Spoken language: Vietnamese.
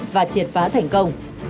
và triệt phá thành công